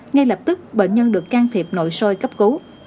ngay lập tức bệnh nhân được can thiệp nội soi cấp cứu